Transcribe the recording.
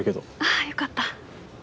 あよかった！